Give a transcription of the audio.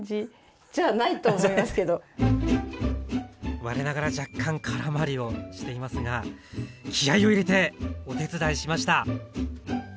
なんかね我ながら若干空回りをしていますが気合を入れてお手伝いしました！